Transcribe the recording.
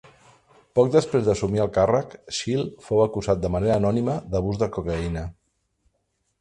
Poc després d'assumir el càrrec, Schill fou acusat de manera anònima d'abús de cocaïna.